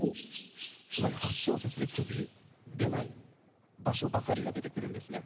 つまり８小節で区切れない場所ばかりが出てくるんですね。